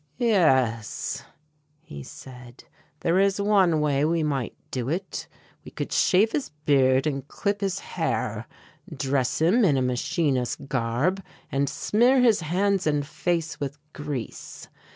"Yes," he said, "there is one way we might do it. We could shave his beard and clip his hair, dress him in a machinist's garb and smear his hands and face with grease.